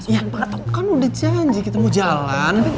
ya udah jalan